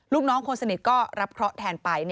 ลูกน้องคนสนิทก็รับเคราะห์แทนไป